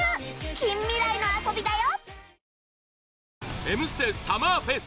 近未来の遊びだよ